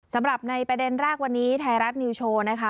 สำหรับในประเด็นแรกวันนี้ไทยรัฐนิวโชว์นะคะ